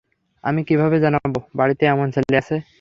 আমি কীভাবে জানবো যে, বাড়িতে এমন ছেলে আছে?